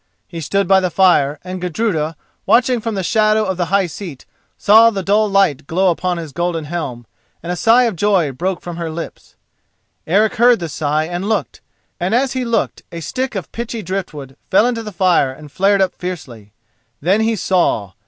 He stood by the fire, and Gudruda, watching from the shadow of the high seat, saw the dull light glow upon his golden helm, and a sigh of joy broke from her lips. Eric heard the sigh and looked, and as he looked a stick of pitchy driftwood fell into the fire and flared up fiercely. Then he saw.